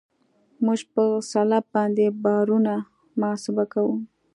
موږ په سلب باندې بارونه محاسبه کوو